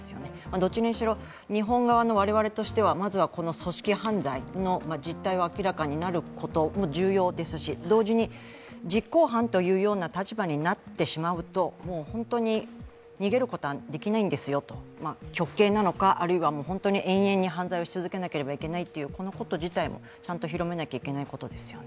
どっちにしろ日本の我々としてはまずはこの組織犯罪の実態が明らかになることも重要ですし同時に、実行犯というような立場になってしまうと本当に逃げることはできないんですよと、極刑なのか、あるいは永遠に犯罪を続けなければいけないか、ちゃんと広めなきゃいけないことですよね。